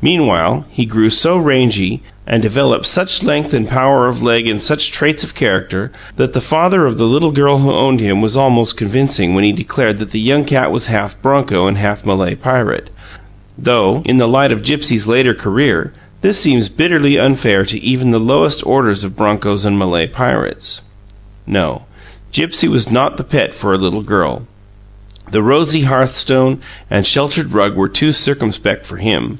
Meanwhile, he grew so rangy, and developed such length and power of leg and such traits of character, that the father of the little girl who owned him was almost convincing when he declared that the young cat was half broncho and half Malay pirate though, in the light of Gipsy's later career, this seems bitterly unfair to even the lowest orders of bronchos and Malay pirates. No; Gipsy was not the pet for a little girl. The rosy hearthstone and sheltered rug were too circumspect for him.